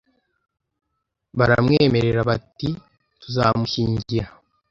Baramwemerera bati Tuzamugushyingira.